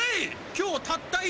今日たった今。